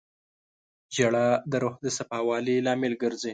• ژړا د روح د صفا والي لامل ګرځي.